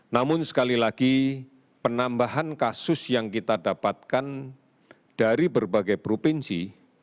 namun sekali lagi penambahan kasus yang kita dapatkan dari berbagai provinsi